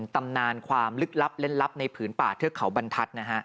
ตำนานความลึกลับเล่นลับในผืนป่าเทือกเขาบรรทัศน์นะฮะ